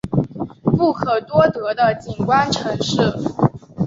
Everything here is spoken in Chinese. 不可多得的景观城市